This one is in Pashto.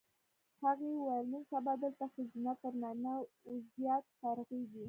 هغې وویل نن سبا دلته ښځینه تر نارینه و زیات فارغېږي.